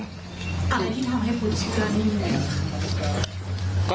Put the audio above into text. อะไรที่ทำให้พุทธใส่เสื้อเหลืองอยู่ไหนครับ